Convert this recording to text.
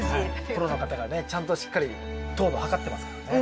プロの方がねちゃんとしっかり糖度を測ってますからね。